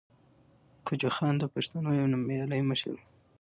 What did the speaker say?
کجوخان د پښتنو یو نومیالی مشر ؤ.